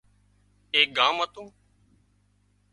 ايڪ ڳام هتون